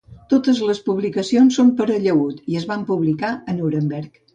Totes les publicacions són per a llaüt i es van publicar a Nuremberg.